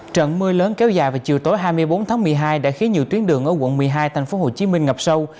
trận mưa lớn kéo dài vào chiều tối hai mươi bốn tháng một mươi hai đã khiến nhiều tuyến đường ở quận một mươi hai tp hcm ngập sâu